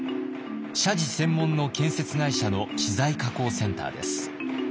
社寺専門の建設会社の資材加工センターです。